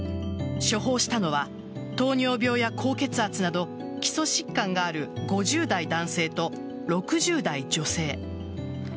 処方したのは糖尿病や高血圧など基礎疾患がある５０代男性と６０代女性。